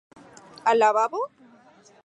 Al lavabo?